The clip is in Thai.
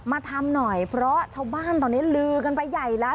มาทำหน่อยเพราะชาวบ้านตอนนี้ลือกันไปใหญ่แล้ว